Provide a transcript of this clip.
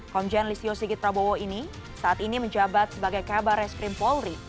komjen listio sigit prabowo ini saat ini menjabat sebagai kabar reskrim polri